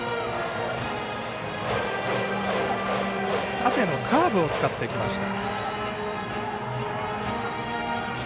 縦のカーブを使ってきました。